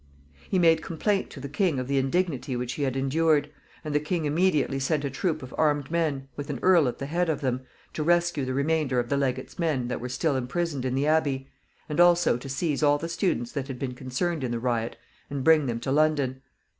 He made complaint to the king of the indignity which he had endured, and the king immediately sent a troop of armed men, with an earl at the head of them, to rescue the remainder of the legate's men that were still imprisoned in the abbey, and also to seize all the students that had been concerned in the riot and bring them to London.